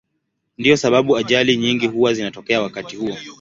Ndiyo sababu ajali nyingi huwa zinatokea wakati huo.